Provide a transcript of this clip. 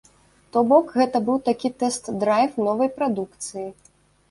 То бок гэта быў такі тэст-драйв новай прадукцыі.